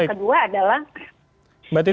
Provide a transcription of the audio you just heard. yang kedua adalah dia harus menyatakan